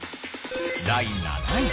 第７位。